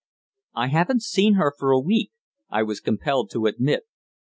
"I haven't seen her for a week," I was compelled to admit.